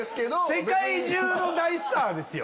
世界中の大スターですよ。